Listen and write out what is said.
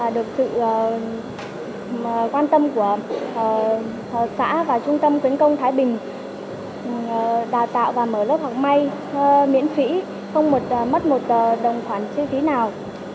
được sự quan tâm của xã và trung tâm quyến công thái bình đào tạo và mở lớp học may miễn phí không mất một đồng khoản chi phí nào